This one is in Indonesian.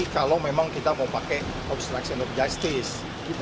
kalau memang kita mau pakai obstruction of justice